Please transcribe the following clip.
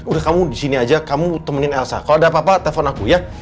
udah kamu di sini aja kamu temenin elsa kalau ada apa apa telpon aku ya